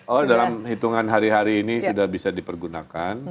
oh dalam hitungan hari hari ini sudah bisa dipergunakan